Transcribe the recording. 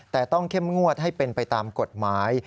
แต่ต้องเข้มงวดให้เป็นไปตามกฎหมาย